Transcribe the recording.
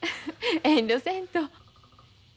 遠慮せんと。